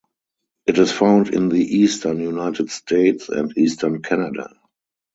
It is found in the eastern United States and eastern Canada.